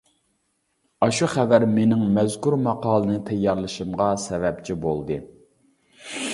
ئاشۇ خەۋەر مېنىڭ مەزكۇر ماقالىنى تەييارلىشىمغا سەۋەبچى بولدى.